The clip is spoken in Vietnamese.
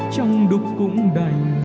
trong đúc cũng đành